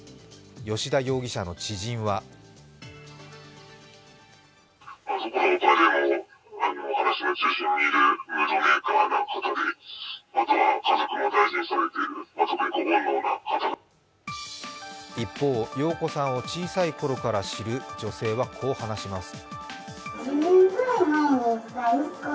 吉田容疑者の知人は一方、容子さんを小さい頃から知る女性はこう話します。